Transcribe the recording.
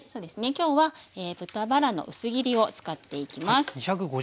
今日は豚バラの薄切りを使っていきます。